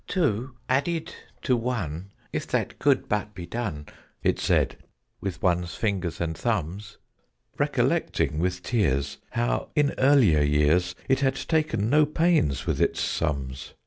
"Two added to one if that could but be done," It said, "with one's fingers and thumbs!" Recollecting with tears how, in earlier years, It had taken no pains with its sums.